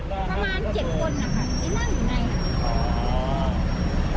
ประมาณ๗คนอ่ะค่ะที่นั่งอยู่ในค่ะ